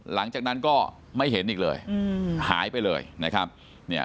หลังจากนั้นก็ไม่เห็นอีกเลยอืมหายไปเลยนะครับเนี่ย